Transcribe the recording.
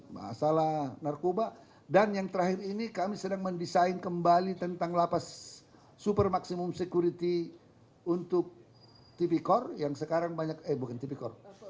masalah narkoba dan yang terakhir ini kami sedang mendesain kembali tentang lapas super maksimum security untuk tipikor yang sekarang banyak eh bukan tipikor